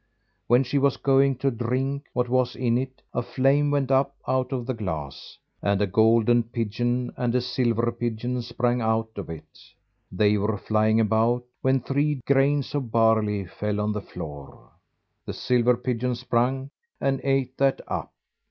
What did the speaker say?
When she was going to drink what is in it, a flame went up out of the glass, and a golden pigeon and a silver pigeon sprang out of it. They were flying about when three grains of barley fell on the floor. The silver pigeon sprung, and ate that up.